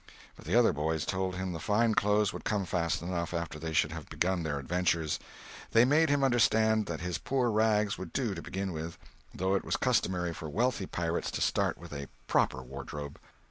But the other boys told him the fine clothes would come fast enough, after they should have begun their adventures. They made him understand that his poor rags would do to begin with, though it was customary for wealthy pirates to start with a proper wardrobe.